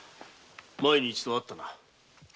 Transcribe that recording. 前に一度会ったな。